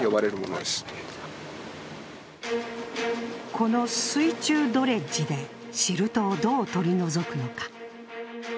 この水中ドレッジでシルトをどう取り除くのか。